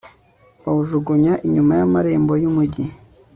bawujugunya inyuma y'amarembo y'umugi